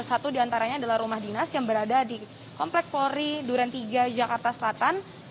satu diantaranya adalah rumah dinas yang berada di komplek polri duren tiga jakarta selatan